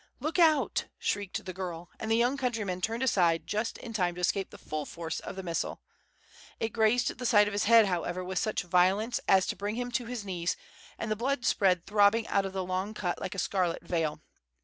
"Look out!" shrieked the girl; and the young countryman turned aside just in time to escape the full force of the missile. It grazed the side of his head, however, with such violence as to bring him to his knees, and the blood spread throbbing out of the long cut like a scarlet veil.